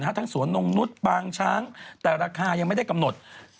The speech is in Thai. ทั้งสวนนงนุษย์ปางช้างแต่ราคายังไม่ได้กำหนด